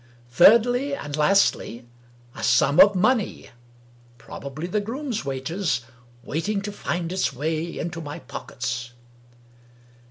thirdly and lastly, a sum of money (probably the groom's wages !) waiting to find its way into my pockets.